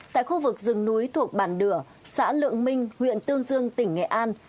tại khu vực rừng núi thuộc bản đửa xã lượng minh huyện tương dương tỉnh nghệ an